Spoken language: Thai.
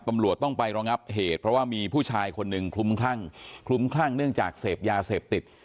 ตำรวจต้องไปรองับเหตุเพราะว่ามีผู้ชายคนหนึ่งคลุมคลั่งคลุ้มคลั่งเนื่องจากเสพยาเสพติด